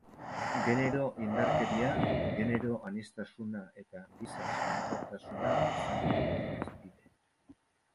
Genero indarkeria, genero aniztasuna eta giza sentikortasuna izan ditugu hizpide.